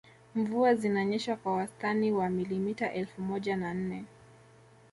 Mvua zinanyesha kwa wastani wa milimita elfu moja na nne